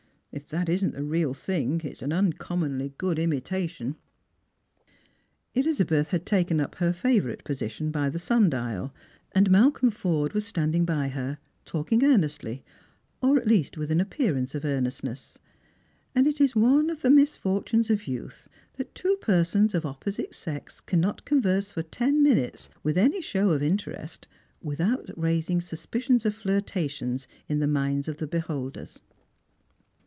" If that isn't the real thing, it's an uncommonly good imitation." Elizabeth had taken up her favourite position by the sun dial, and Malcolm Forde was standing by her, talking earn estly, or at least with an appearance of earnestness , and it is one of the misfortunes of youth that two persons of opposite sex cannot converse for ten minutes with any show^ of interest without raising suspicions of flirtation in the minds of the beholders.